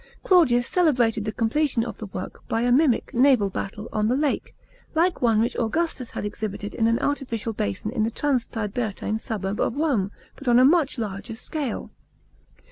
Claudius cele brated the completion of the work by a mimic naval battle on the lake, like one which Augustus had exhibited in an artificial basin in the Transtiberine suburb of Rome, but on a much larger scale.